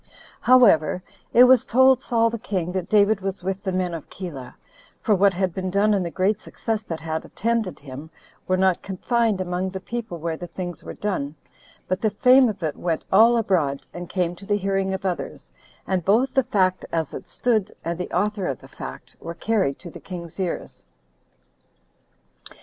However, it was told Saul the king that David was with the men of Keilah; for what had been done and the great success that had attended him, were not confined among the people where the things were done, but the fame of it went all abroad, and came to the hearing of others, and both the fact as it stood, and the author of the fact, were carried to the king's ears.